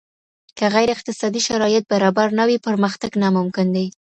که غير اقتصادي شرايط برابر نه وي پرمختګ ناممکن دی.